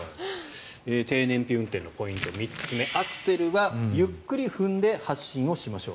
低燃費運転のポイント３つ目アクセルはゆっくり踏んで発進しましょう。